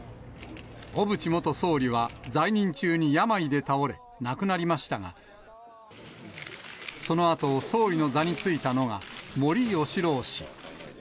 小渕元総理は、在任中に病で倒れ、亡くなりましたが、そのあと、総理の座に就いたのが、森喜朗氏。